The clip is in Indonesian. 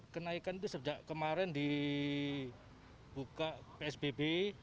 kenaikan itu sejak kemarin dibuka psbb